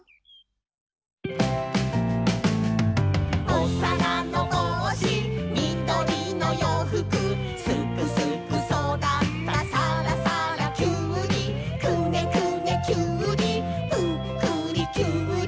「おさらのぼうしみどりのようふく」「すくすくそだったさらさらキュウリ」「くねくねキュウリぷっくりキュウリ」